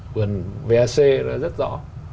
quần vac là rất rõ